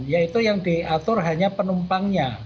yaitu yang diatur hanya penumpangnya